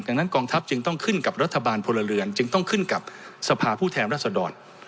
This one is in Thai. ดังนั้นกองทัพจึงต้องขึ้นกับรัฐบาลพลเรือนจึงต้องขึ้นกับสภาผู้แทนรัศดร